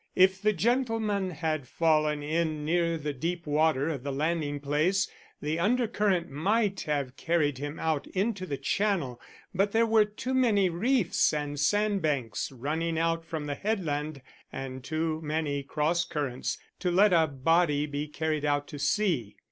If the gentleman had fallen in near the deep water of the landing place the undercurrent might have carried him out into the Channel, but there were too many reefs and sand banks running out from the headland, and too many cross currents, to let a body be carried out to sea.